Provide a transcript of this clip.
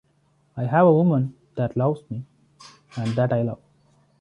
I have a woman that loves me and that I love.